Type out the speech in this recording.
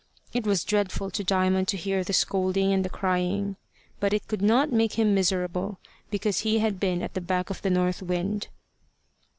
It was dreadful to Diamond to hear the scolding and the crying. But it could not make him miserable, because he had been at the back of the north wind.